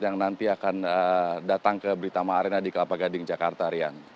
yang nanti akan datang ke britama arena di kelapa gading jakarta rian